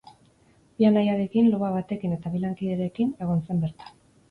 Bi anaiarekin, loba batekin eta bi lankiderekin egon zen bertan.